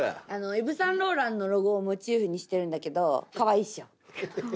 イヴ・サンローランのロゴをモチーフにしてるんだけどカワイイっしょ？